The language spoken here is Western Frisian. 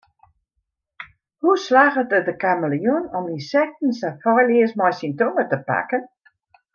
Hoe slagget it de kameleon om ynsekten sa feilleas mei syn tonge te pakken?